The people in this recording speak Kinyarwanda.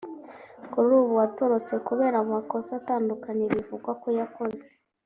kuri ubu watorotse kubera amakosa atandukanye bivugwa ko yakoze